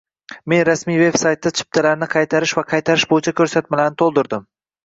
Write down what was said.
Men rasmiy veb -saytda chiptalarni qaytarish va qaytarish bo'yicha ko'rsatmalarni to'ldirdim